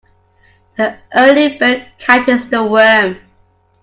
The early bird catches the worm.